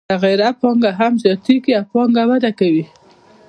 متغیره پانګه هم زیاتېږي او پانګه وده کوي